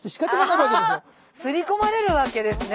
刷り込まれるわけですね。